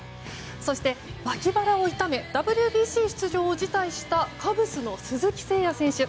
そして、脇腹を痛めＷＢＣ出場を辞退したカブスの鈴木誠也選手。